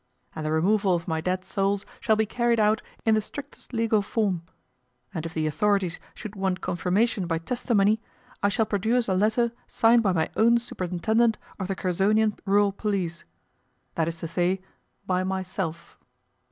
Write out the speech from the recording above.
And the removal of my dead souls shall be carried out in the strictest legal form; and if the authorities should want confirmation by testimony, I shall produce a letter signed by my own superintendent of the Khersonian rural police that is to say, by myself.